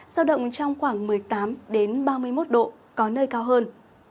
giao động trong khoảng một mươi tám ba mươi một độ có nơi cao hơn